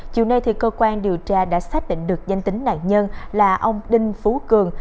chiều nay cơ quan điều tra đã xác định được danh tính nạn nhân là ông đinh phú cường